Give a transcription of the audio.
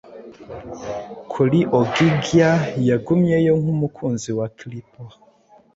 kuri Ogygia, yagumyeyo nk'umukunzi wa Calypo.